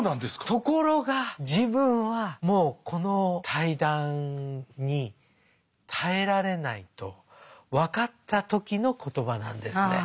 ところが自分はもうこの対談に耐えられないと分かった時の言葉なんですね。